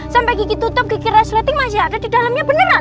sampai gigi tutup gigi resleting masih ada di dalamnya beneran